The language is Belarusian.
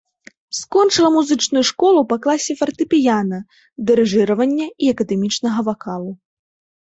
Скончыла музычную школу па класе фартэпіяна, дырыжыравання і акадэмічнага вакалу.